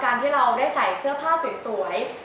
ที่เราได้ใส่เสื้อผ้าสวย